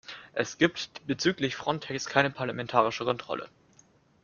Es gibt bezüglich Frontex keine parlamentarische Kontrolle.